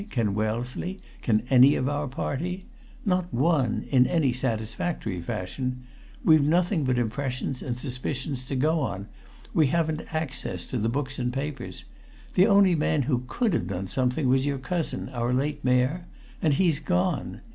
Can Wellesley? Can any of our party? Not one, in any satisfactory fashion. We've nothing but impressions and suspicions to go on we haven't access to the books and papers. The only man who could have done something was your cousin, our late Mayor; and he's gone!